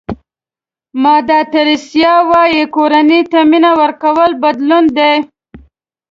مادر تریسیا وایي کورنۍ ته مینه ورکول بدلون دی.